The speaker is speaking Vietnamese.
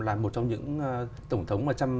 là một trong những tổng thống mà chăm